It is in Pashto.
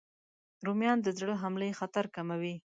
رومیان د زړه حملې خطر کموي